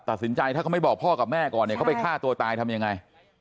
ตัดสินใจถ้าเขาไม่บอกพ่อกับแม่ก่อนเนี่ยเขาไปฆ่าตัวตายทำยังไง